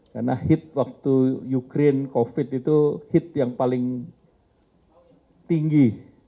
karena hit waktu ukraine covid itu hit yang paling tinggi